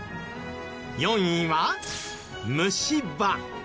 ４位は虫歯。